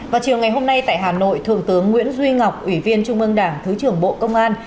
vào chiều ngày hôm nay tại hà nội thượng tướng nguyễn duy ngọc ủy viên trung ương đảng thứ trưởng bộ công an